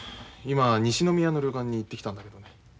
今西宮の旅館に行ってきたんだけどね。